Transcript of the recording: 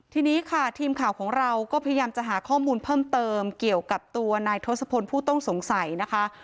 ทีนี้ค่ะทีมข่าวของเราก็พยายามจะหาข้อมูลเพิ่มเติมเกี่ยวกับตัวนายทศพลผู้ต้องสงสัยนะคะ